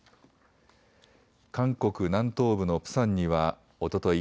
韓国南東部のプサンにはおととい